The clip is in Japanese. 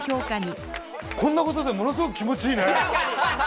こんなことでものすごく気持ちいいね！